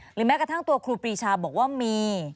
แม้กระทั่งตัวครูปรีชาบอกว่ามี